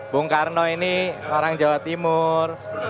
bung karno ini orang jawa timur